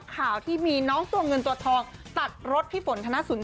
ข่าวที่มีน้องตัวเงินตัวทองตัดรถพี่ฝนธนสุน